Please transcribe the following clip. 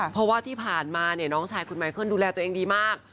เพราะว่าที่ผ่านมาเนี่ยน้องชายคุณไมเคิลดูแลตัวเองดีมาก